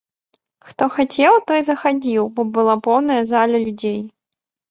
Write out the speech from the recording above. Хто хацеў, той захадзіў, бо была поўная зала людзей.